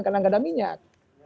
karena tidak ada minyak